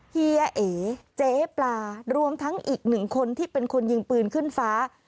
เฮียเอ๋เจ๊ปลารวมทั้งอีกหนึ่งคนที่เป็นคนยิงปืนขึ้นฟ้า